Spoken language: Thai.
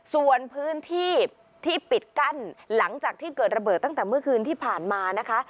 ส่วนพื้นที่ที่ปิดกั้นหลังจากที่เกิดระเบิดตั้งแต่เมื่อคืนที่ผ่านมานะคะ